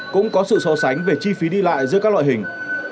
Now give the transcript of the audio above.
cũng có sự so sánh về chi phí đi lại giữa các loại hình